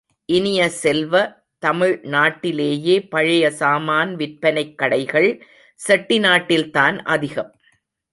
இனிய செல்வ, தமிழ் நாட்டிலேயே பழைய சாமான் விற்பனைக் கடைகள் செட்டி நாட்டில்தான் அதிகம்.